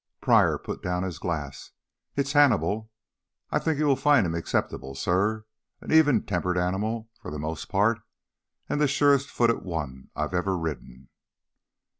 Pryor put down his glass. "It's Hannibal. I think you will find him acceptable, suh. An even tempered animal for the most part, and the surest footed one I have ever ridden."